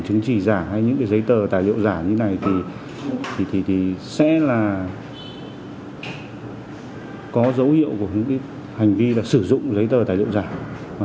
chứng trì giả hay những giấy tờ tài liệu giả như này thì sẽ là có dấu hiệu của hành vi sử dụng giấy tờ tài liệu giả